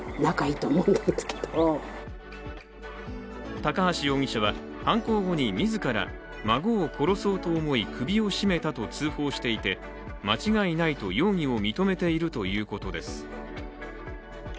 高橋容疑者は犯行後に自ら孫を殺そうと思い、首を絞めたと通報していて間違いないと容疑を認めているということです。